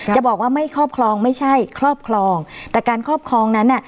จะบอกว่าไม่ครอบครองไม่ใช่ครอบครองแต่การครอบครองนั้นน่ะ